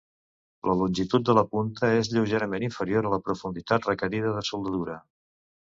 La longitud de la punta és lleugerament inferior a la profunditat requerida de soldadura.